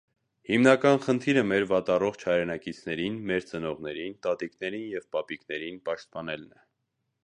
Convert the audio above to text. Հիմնական խնդիրը մեր վատառողջ հայրենակիցներին, մեր ծնողներին, տատիկներին և պապիկներին պաշտպանելն է։